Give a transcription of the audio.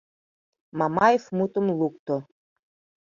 — Мамаев мутым лукто.